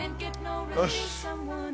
よし！